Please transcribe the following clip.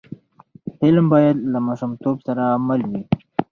فلم باید له ماشومتوب سره مل وي